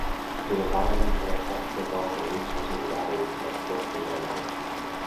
The environmental effects involved in recharging the batteries can of course be minimised.